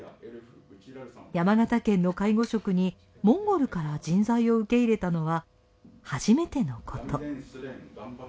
山形県の介護職にモンゴルから人材を受け入れたのは初めてのこと。